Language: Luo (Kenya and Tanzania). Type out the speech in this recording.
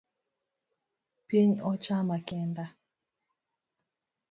Piny ochama kenda